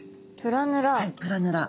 プラヌラ。